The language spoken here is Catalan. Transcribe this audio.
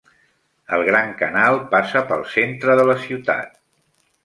El Gran Canal passa pel centre de la ciutat.